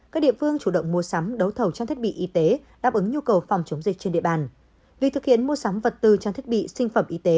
các địa phương chủ động mua sắm đấu thầu trang thiết bị y tế đáp ứng nhu cầu phòng chống dịch trên địa bàn